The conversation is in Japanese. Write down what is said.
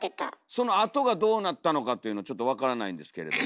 そのあとがどうなったのかというのちょっと分からないんですけれども。